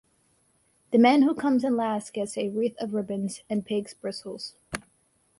The man who comes in last gets a wreath of ribbons and pig's bristles.